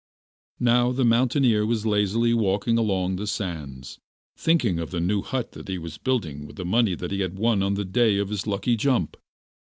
Now the mountaineer was lazily walking along the sands, thinking of the new hut that he was building with the money that he had won on the day of his lucky jump.